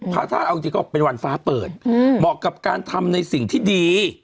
พระธาตุเอาจริงก็เป็นวันฟ้าเปิดเหมาะกับการทำในสิ่งที่ดี